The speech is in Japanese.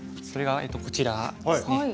それはこちらですね。